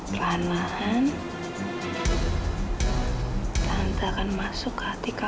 perlahan lahan tante akan masuk ke hati kamu